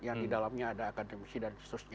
yang di dalamnya ada akademisi dan seterusnya